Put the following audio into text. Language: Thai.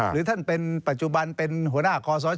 หรือท่านเป็นปัจจุบันเป็นหัวหน้าคอสช